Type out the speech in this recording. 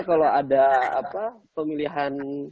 kalau ada pemilihan